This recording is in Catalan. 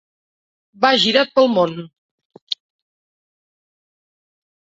Va girat pel món.